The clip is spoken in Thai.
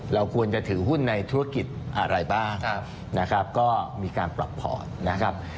เราควรจะถือหุ้นในธุรกิจอะไรบ้างนะครับก็มีการปรับพอร์ตนะครับ